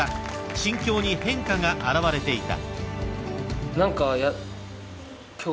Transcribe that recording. ［心境に変化が表れていた］